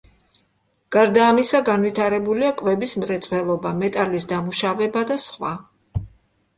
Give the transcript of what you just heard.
გარდა ამისა, განვითარებულია კვების მრეწველობა, მეტალის დამუშავება და სხვა.